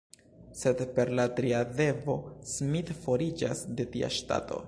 Sed per la tria devo Smith foriĝas de tia ŝtato.